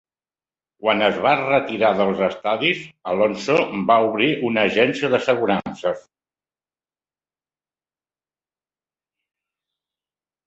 Quan es va retirar del estadis, Alonso va obrir una agència d'assegurances.